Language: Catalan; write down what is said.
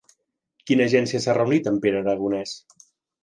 Quina agència s'ha reunit amb Pere Aragonès?